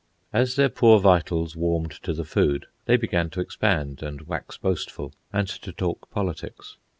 As their poor vitals warmed to the food, they began to expand and wax boastful, and to talk politics.